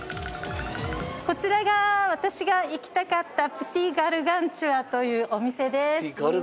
こちらが私が行きたかったプティガルガンチュワというお店です。